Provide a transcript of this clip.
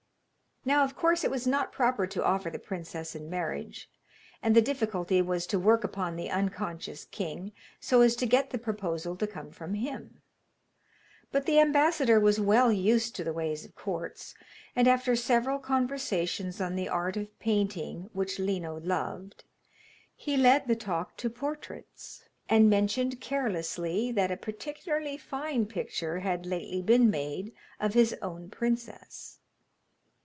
Now, of course, it was not proper to offer the princess in marriage, and the difficulty was to work upon the unconscious king so as to get the proposal to come from him. But the ambassador was well used to the ways of courts, and after several conversations on the art of painting, which Lino loved, he led the talk to portraits, and mentioned carelessly that a particularly fine picture had lately been made of his own princess.